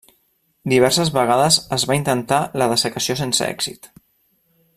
Diverses vegades es va intentar la dessecació sense èxit.